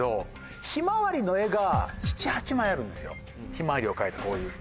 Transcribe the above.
ひまわりを描いたこういう。